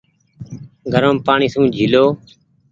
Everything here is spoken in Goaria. گرم پآڻيٚ سون جيهلو ۔